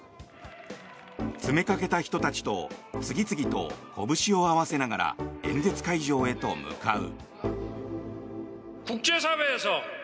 詰めかけた人たちと次々とこぶしを合わせながら演説会場へと向かう。